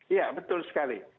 iya betul sekali